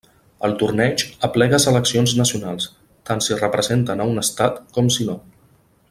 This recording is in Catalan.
El torneig aplega seleccions nacionals, tant si representen a un Estat com si no.